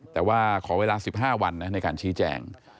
แต่ว่าขอเวลา๑๕วันในการชี้แจง